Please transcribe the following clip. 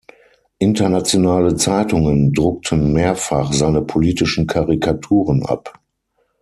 Internationale Zeitungen druckten mehrfach seine politischen Karikaturen ab.